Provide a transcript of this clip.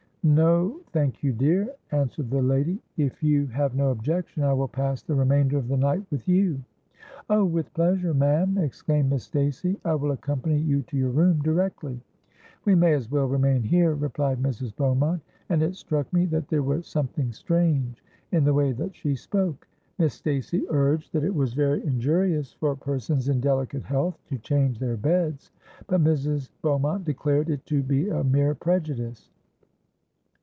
—'No, thank you, dear,' answered the lady; 'if you have no objection, I will pass the remainder of the night with you.'—'Oh! with pleasure, ma'am,' exclaimed Miss Stacey. 'I will accompany you to your room directly.'—'We may as well remain here,' replied Mrs. Beaumont; and it struck me that there was something strange in the way that she spoke. Miss Stacey urged that it was very injurious for persons in delicate health to change their beds; but Mrs. Beaumont declared it to be a mere prejudice.